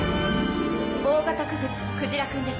大型傀儡くじら君です。